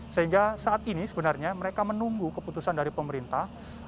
sehingga saat ini sebenarnya mereka menunggu keputusan dari pemerintah